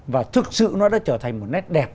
và thực sự nó đã trở thành một nét đẹp